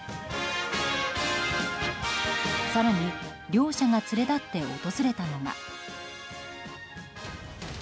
更に両者が連れ立って訪れたのが。